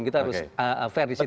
kita harus fair di situ